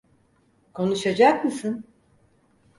Konuşacak mısın?